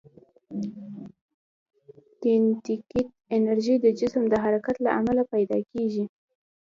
کینیتیک انرژي د جسم د حرکت له امله پیدا کېږي.